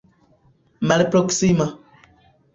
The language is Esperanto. malproksima